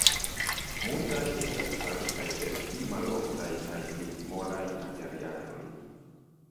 Multaj estas faritaj el pli maloftaj kaj pli molaj materialoj.